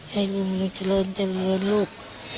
ให้ลูกเจริญลูก